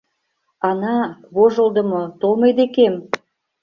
Ана, вожылдымо, тол мый декем!